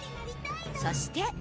そして。